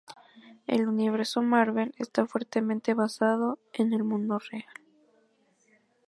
El Universo Marvel está fuertemente basado en el mundo real.